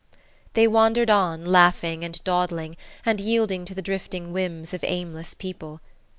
They wandered on, laughing and dawdling, and yielding to the drifting whims of aimless people.